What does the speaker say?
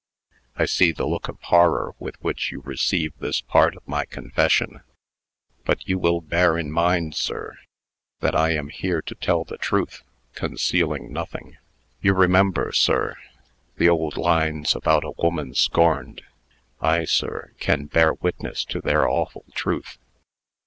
I see the look of horror with which you receive this part of my confession; but you will bear in mind, sir, that I am hero to tell the truth, concealing nothing. You remember, sir, the old lines about a woman scorned? I, sir, can bear witness to their awful truth."